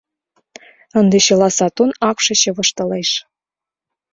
— Ынде чыла сатун акше чывыштылеш...